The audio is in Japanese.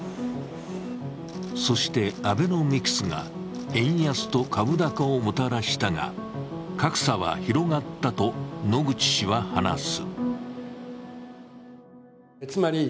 そして、アベノミクスが円安と株高をもたらしたが、格差は広がったと野口氏は話す。